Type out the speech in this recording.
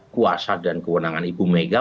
kuasa dan kewenangan ibu mega